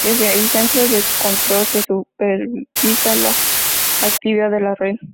Desde el centro de control se supervisa la actividad de la red.